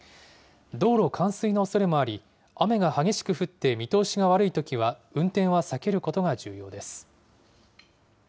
道路冠水のおそれもあり、雨が激しく降って見通しが悪いときは、運転は避けることが重要です。